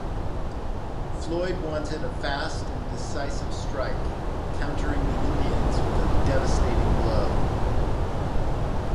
Floyd wanted a fast and decisive strike, countering the Indians with a devastating blow.